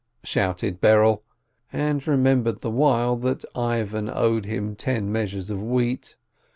shouted Berel, and remembered the while that Ivan owed him ten measures of wheat.